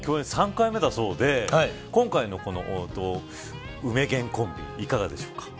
３回目だそうで今回の梅玄コンビいかがでしょうか。